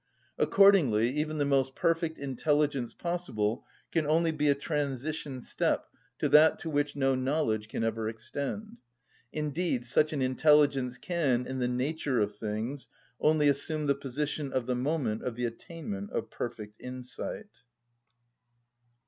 Accordingly even the most perfect intelligence possible can only be a transition step to that to which no knowledge can ever extend: indeed such an intelligence can, in the nature of things, only assume the position of the moment of the attainment of perfect insight.